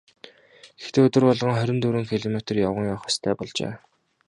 Гэхдээ өдөр болгон хорин дөрвөн километр явган явах ёстой болжээ.